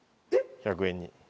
１００円に。